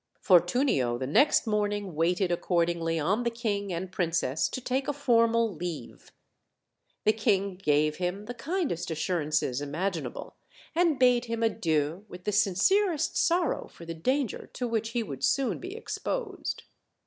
Fortunio the next morning waited accordingly on the king and princess to take a formal leave. The king gave him the kindest assurances imaginable, and bade him adieu with the sincerest sorrow for the danger to which he would soon be exposed.